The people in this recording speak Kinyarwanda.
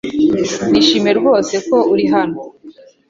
Nishimiye rwose ko uri hano .